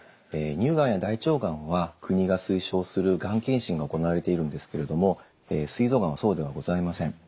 乳がんや大腸がんは国が推奨するがん検診が行われているんですけれどもすい臓がんはそうではございません。